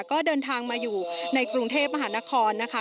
ก็เดินทางมาอยู่ในกรุงเทพมหานครนะคะ